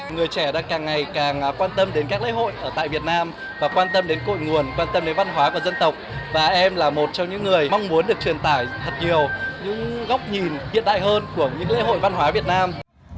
người trẻ đang càng ngày càng quan tâm đến các lễ hội ở tại việt nam và quan tâm đến cội nguồn quan tâm đến văn hóa của dân tộc và em là một trong những người mong muốn được truyền tải thật nhiều những góc nhìn hiện đại hơn của những lễ hội văn hóa việt nam